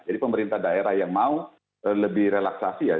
jadi pemerintah daerah yang mau lebih relaksasi ya